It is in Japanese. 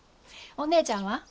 お姉ちゃんは？